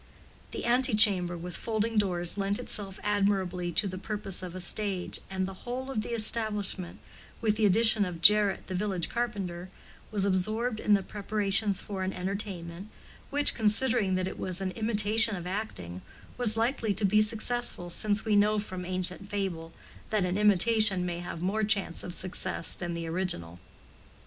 The antechamber with folding doors lent itself admirably to the purpose of a stage, and the whole of the establishment, with the addition of Jarrett the village carpenter, was absorbed in the preparations for an entertainment, which, considering that it was an imitation of acting, was likely to be successful, since we know from ancient fable that an imitation may have more chance of success than the original.